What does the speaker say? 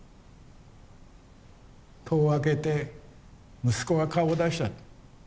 戸を開けて息子が顔を出した。